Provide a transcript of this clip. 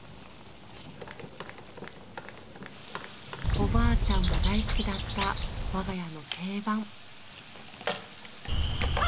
おばあちゃんも大好きだった我が家の定番。